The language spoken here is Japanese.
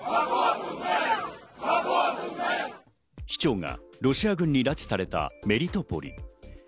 市長がロシア軍に拉致されたメリトポリ。